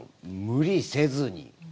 無理せずに。